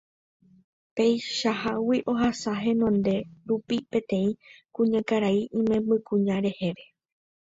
peichahágui ohasa henonde rupi peteĩ kuñakarai imembykuña reheve.